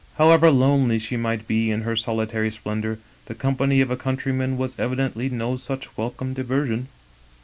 " However lonely she might be in her solitary splendor, the company of a countryman was evidently no such wel come diversion.